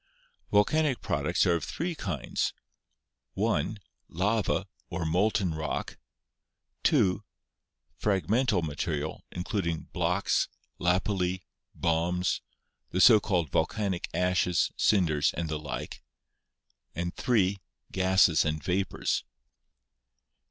Volcanic products are of three kinds: (i) Lava, or molten rock; (2) fragmental material, including blocks, lapilli, bombs, the so called volcanic ashes, cinders, and the like; (3) gases and vapors.